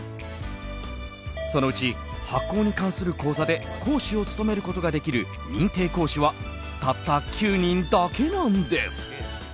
そのうち発酵に関する講座で講師を務めることができる認定講師はたった９人だけなんです。